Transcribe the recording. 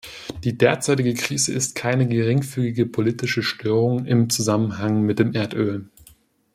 Die derzeitige Krise ist keine geringfügige politische Störung im Zusammenhang mit dem Erdöl.